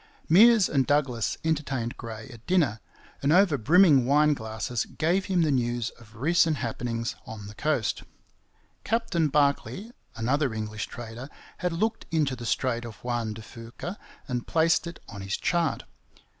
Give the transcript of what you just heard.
Meares and Douglas entertained Gray at dinner, and over brimming wine glasses gave him the news of recent happenings on the coast. Captain Barkley, another English trader, had looked into the Strait of Juan de Fuca and placed it on his chart.